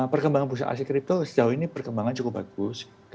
perkembangan bursa aset kripto sejauh ini perkembangan cukup bagus